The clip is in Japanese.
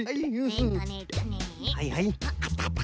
えっとえっとねあったあった。